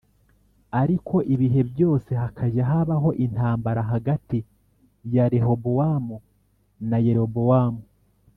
Ariko ibihe byose hakajya habaho intambara hagati ya Rehobowamu na Yerobowamu